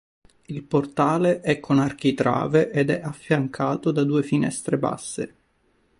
Il portale è con architrave ed è affiancato da due finestre basse.